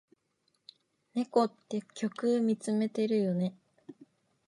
猫って虚空みつめてるよね。